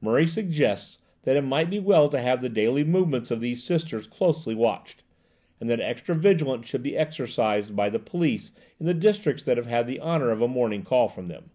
Murray suggests that it might be as well to have the daily movements of these sisters closely watched, and that extra vigilance should be exercised by the police in the districts that have had the honour of a morning call from them.